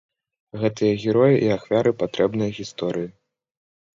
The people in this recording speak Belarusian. Гэтыя героі і ахвяры патрэбныя гісторыі.